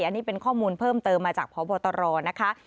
อันนี้เป็นข้อมูลเพิ่มเติมมาจากพบตรนะคะ